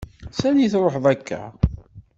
S ani truḥeḍ akka?